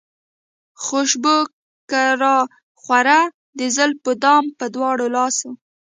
خوشبو که راخوره د زلفو دام پۀ دواړه لاسه